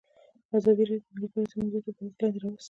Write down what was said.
ازادي راډیو د مالي پالیسي موضوع تر پوښښ لاندې راوستې.